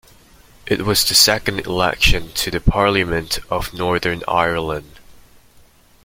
It was the second election to the Parliament of Northern Ireland.